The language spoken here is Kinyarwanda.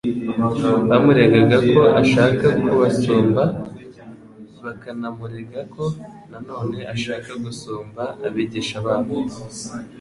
Bamuregaga ko ashaka kubasumba, bakanamurega ko na none ashaka gusumba abigisha babo,